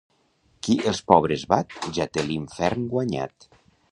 Qui els pobres bat, ja té l'infern guanyat.